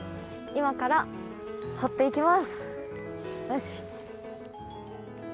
今から掘っていきます。